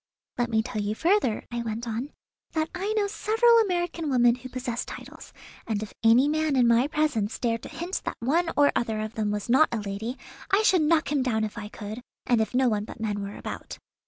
"Let me tell you further," I went on, "that I know several American women who possess titles; and if any man in my presence dared to hint that one or other of them was not a lady I should knock him down if I could, and if no one but men were about.